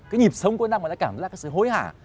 cái nhịp sông cuối năm nó lại cảm giác cái sự hối hả